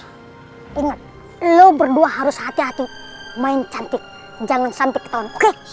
eh inget lu berdua harus hati hati main cantik jangan santik ketahuan oke